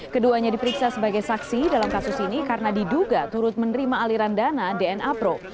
keduanya diperiksa sebagai saksi dalam kasus ini karena diduga turut menerima aliran dana dna pro